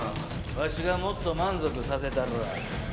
わしがもっと満足させたるわ。